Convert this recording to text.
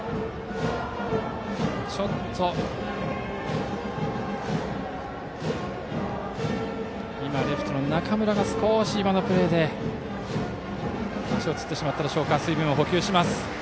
ちょっと、レフトの中村が今のプレーで足をつってしまったのでしょうか水分を補給します。